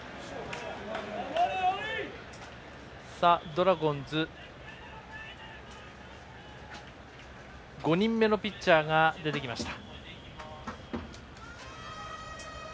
ドラゴンズ５人目のピッチャーが出てきました。